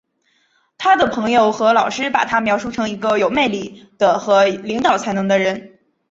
他的朋友和老师把他描述成一个有魅力的和领导才能的人。